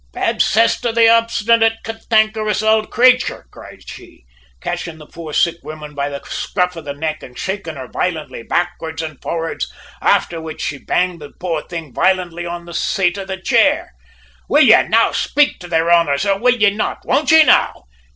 "`Bad cess to the obstinate cantankerous ould crayture,' cried she, catching the poor sick woman by the scruff of the neck an' shakin' her violently backwards an' forrads, afther which she banged the poor thing violently on the sate of the chere. `Will ye now spake to their honours, or will ye not? Won't ye now?